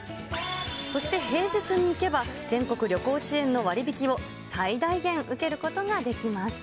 そして平日に行けば、全国旅行支援の割引を、最大限受けることができます。